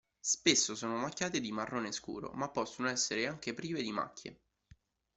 Spesso sono macchiate di marrone scuro, ma possono essere anche prive di macchie.